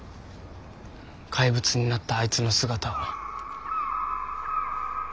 怪物になったあいつの姿を。